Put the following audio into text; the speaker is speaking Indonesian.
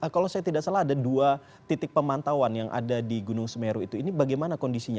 kalau saya tidak salah ada dua titik pemantauan yang ada di gunung semeru itu ini bagaimana kondisinya